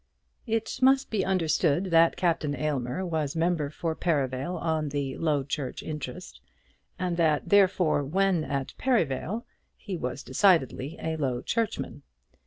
It must be understood that Captain Aylmer was member for Perivale on the Low Church interest, and that, therefore, when at Perivale he was decidedly a Low Churchman.